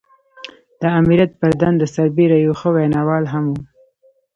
د آمريت پر دنده سربېره يو ښه ويناوال هم و.